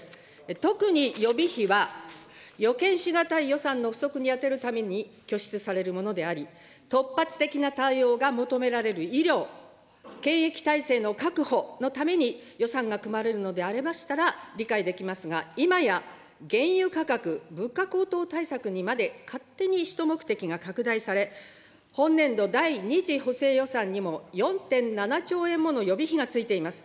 特に予備費は、予見し難い予算の不足に充てるために拠出されるものであり、突発的な対応が求められる医療・検疫体制の確保のために予算が組まれるのでありましたらば理解できますが、今や原油価格・物価高騰対策にまで勝手に使途目的が拡大され、本年度第２次補正予算にも４．７兆円もの予備費がついています。